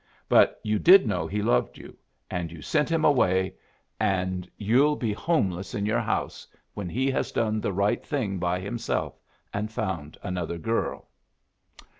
But you did know he loved you, and you sent him away, and you'll be homeless in yer house when he has done the right thing by himself and found another girl.'